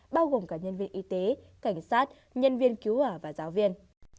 bao gồm cả nhân viên y tế cảnh sát nhân viên cứu hỏa và giáo viên